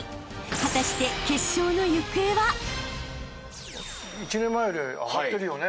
［果たして］１年前より上がってるよね技術。